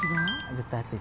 絶対熱い。